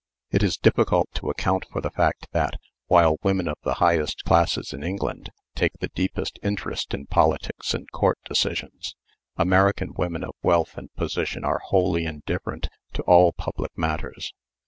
It is difficult to account for the fact that, while women of the highest classes in England take the deepest interest in politics and court decisions, American women of wealth and position are wholly indifferent to all public matters.